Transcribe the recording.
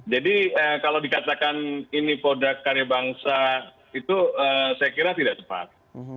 jadi kalau dikatakan ini produk karya bangsa itu saya kira tidak tepat